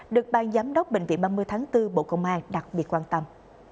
được bang giám đốc bệnh viện ba mươi tháng bốn bộ công an đặc biệt quan tâm